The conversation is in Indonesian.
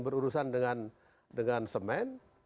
berurusan dengan semen